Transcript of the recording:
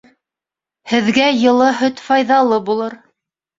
Һеҙгә йылы һөт файҙалы булыр